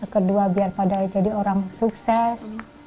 kedua biar pada jadi orang sukses